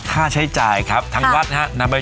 เท่าจากจะเป็นโครสกของทางวัดแล้วนะครับ